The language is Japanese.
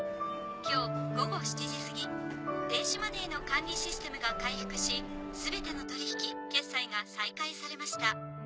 今日午後７時すぎ電子マネーの管理システムが回復し全ての取引決済が再開されました。